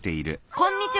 こんにちは。